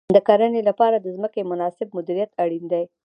د کرنې لپاره د ځمکې مناسب مدیریت اړین دی.